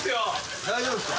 大丈夫っすか？